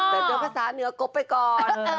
แต่เจอภาษาเหนือกบไปก่อน